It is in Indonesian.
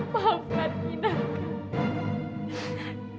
maafkan inah kang